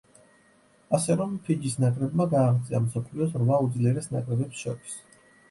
ასე რომ, ფიჯის ნაკრებმა გააღწია მსოფლიოს რვა უძლიერეს ნაკრებებს შორის.